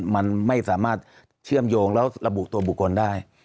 มันไม่สามารถเชื่อมโยงแล้วระบุตัวบุคคลได้